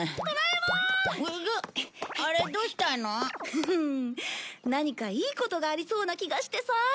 フフン何かいいことがありそうな気がしてさ。